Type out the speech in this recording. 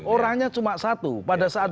orangnya cuma satu pada saat